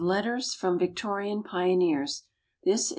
Letters from Victorian Pioneers. 1&9 No.